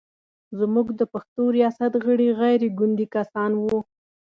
زموږ د پښتو ریاست غړي غیر ګوندي کسان و.